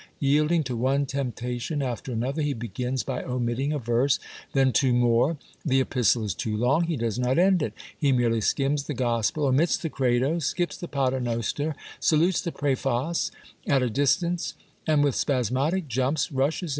Yielding to one temptation after another, he begins by omitting a verse, then two more. The Epistle is too long, he does not end it ; he merely skims the Gospel, omits the Credo, skips the Pater Noster, salutes the Preface at a distance, and with spasmodic jumps rushes 266 Monday Tales.